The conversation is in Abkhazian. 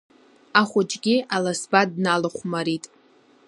Ахәыҷгьы аласба дналахәмарит.